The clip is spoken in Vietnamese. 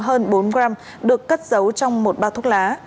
tổng trọng lượng hơn bốn gram được cất giấu trong một bao thuốc lá